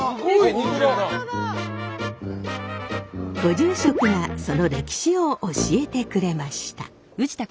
ご住職がその歴史を教えてくれました。